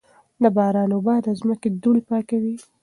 د باران اوبه د ځمکې دوړې پاکوي.